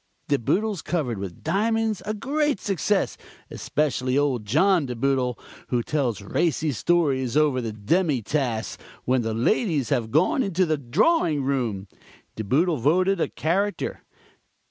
De Boodles covered with diamonds, a great success, especially old John De Boodle, who tells racy stories over the demi tasse when the ladies have gone into the drawing room. De Boodle voted a character.